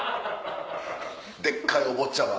でっかいお坊ちゃま。